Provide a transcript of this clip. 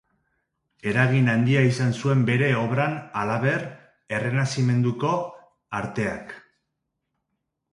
Eragin handia izan zuen bere obran, halaber, Errenazimentuko arteak.